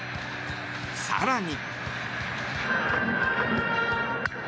更に。